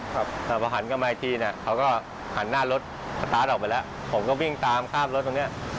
ครับแต่พอหันเข้ามาอีกทีน่ะเขาก็หันหน้ารถออกไปแล้วผมก็วิ่งตามข้ามรถตรงเนี้ย